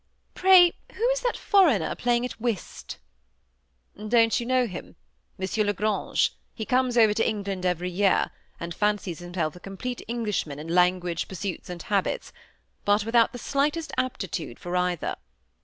Pray, who is that foreigner playing at whist ?"" Don't you know him ? M. de la Grange ; he comes 148 THE SEBO ATTAGHED COUPLE, over to England every year, and fancies himself a com plete Englishman in language, pursuits, and habijs, but without the slightest aptitude for either.